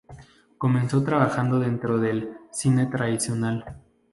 Comenzó trabajando dentro del "cine tradicional".